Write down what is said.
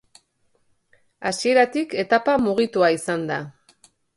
Hasieratik etapa mugitua izan da.